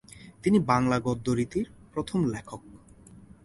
তিনি বাংলা গদ্যরীতির প্রথম লেখক।